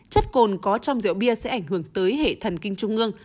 chất cồn có trong rượu bia sẽ ảnh hưởng tới hệ thần kinh trung ương